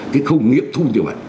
cái không nghiệp thu như vậy